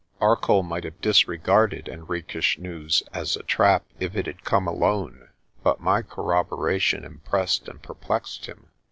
Arcoll might have disregarded Henriques 7 news as a trap if it had come alone but my corroboration impressed and perplexed him.